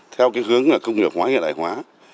theo cái hướng công nghiệp hóa hiện đại hóa